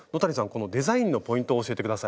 このデザインのポイントを教えて下さい。